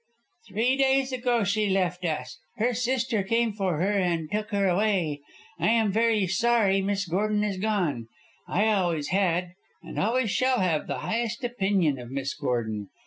"Three days ago she left us. Her sister came for her and took her away. I am very sorry Miss Gordon is gone; I always had, and always shall have, the highest opinion of Miss Gordon.